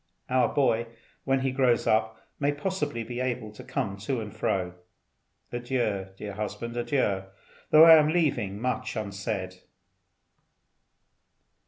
Our boy, when he grows up, may possibly be able to come to and fro. Adieu, dear husband, adieu, though I am leaving much unsaid."